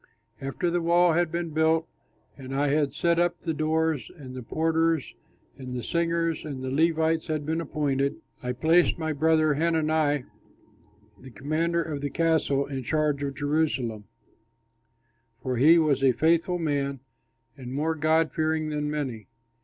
After the wall had been built and I had set up the doors, and the porters and the singers and the Levites had been appointed, I placed my brother Hanani, the commander of the castle, in charge of Jerusalem, for he was a faithful man and more God fearing than many.